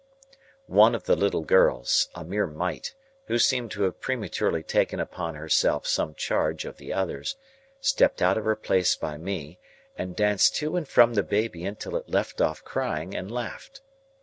One of the little girls, a mere mite who seemed to have prematurely taken upon herself some charge of the others, stepped out of her place by me, and danced to and from the baby until it left off crying, and laughed.